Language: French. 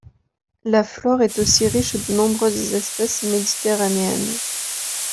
La flore est aussi riche de nombreuses espèces méditerranéennes.